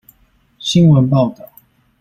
新聞報導